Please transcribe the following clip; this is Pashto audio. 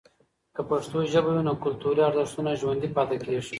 که پښتو ژبه وي، نو کلتوري ارزښتونه ژوندۍ پاتې کیږي.